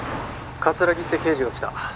☎葛城って刑事が来た